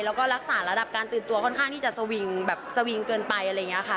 แล้วก็รักษาระดับการตื่นตัวค่อนข้างที่จะสวิงแบบสวิงเกินไปอะไรอย่างนี้ค่ะ